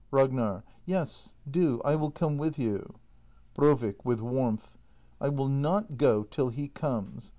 Ragnar. Yes, do. I will come with you. Brovik. [With warmth.] I will not go till he comes!